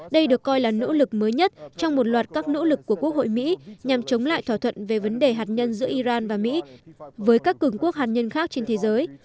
đây được coi là nỗ lực mới nhất trong một loạt các nỗ lực của quốc hội mỹ nhằm chống lại thỏa thuận về vấn đề hạt nhân giữa iran và mỹ với các cường quốc hạt nhân khác trên thế giới